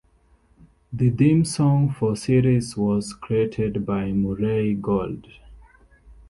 The theme song for series was created by Murray Gold.